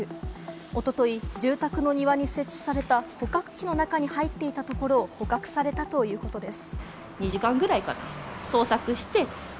一昨日、住宅の庭に設置された捕獲器の中に入っていたところを捕獲されたということです。